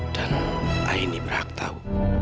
dan aini berhak tahu